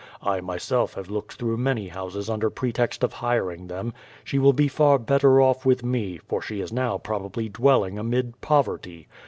I myself have looked through many houses under pretext of hiring them. She will be far better off with me, for she is now probably dwelling amid poverty.